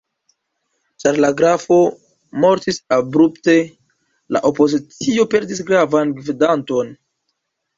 Ĉar la grafo mortis abrupte, la opozicio perdis gravan gvidanton.